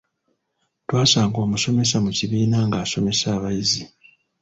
Twasanga omusomesa mu kibiina ng'asomesa abayizi.